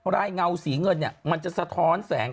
เงาสีเงินเนี่ยมันจะสะท้อนแสง